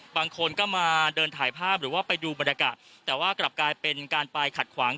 บางคนก็มาเดินถ่ายภาพหรือว่าไปดูบรรยากาศแต่ว่ากลับกลายเป็นการไปขัดขวาง